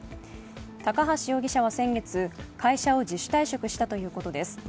高橋容疑者は先月、会社を自主退職したということです。